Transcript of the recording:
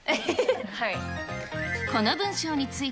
はい。